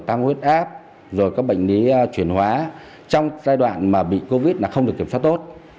tăng huyết áp rồi các bệnh lý chuyển hóa trong giai đoạn mà bị covid là không được kiểm soát tốt